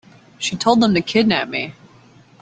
She told them to kidnap me.